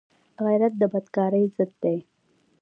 غیرت د بدکارۍ ضد دی